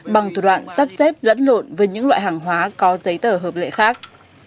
bằng thủ đoạn sắp xếp lẫn lộn với những loại hàng hóa có giấy tờ hợp lệ khác